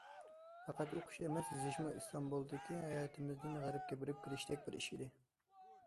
پەقەت ئوقۇش ئەمەس، يېزىشمۇ ئىستانبۇلدىكى ھاياتىمىزدىن غەربكە بېرىپ كېلىشتەك بىر ئىش ئىدى.